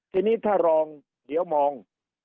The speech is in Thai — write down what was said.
ทีนี้ถ้ารองเดี๋ยวมอง